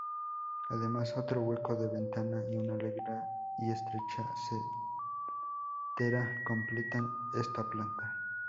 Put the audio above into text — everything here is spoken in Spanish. Además, otro hueco de ventana y una larga y estrecha saetera completan esta planta.